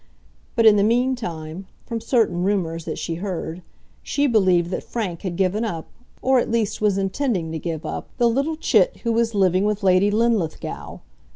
But in the meantime, from certain rumours that she heard, she believed that Frank had given up, or at least was intending to give up, the little chit who was living with Lady Linlithgow.